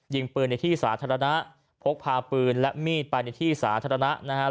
ยิงปืนในที่สาธารณะพกพาปืนและมีดไปในที่สาธารณะนะครับ